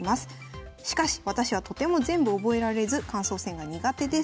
しかし私はとても全部覚えられず感想戦が苦手です。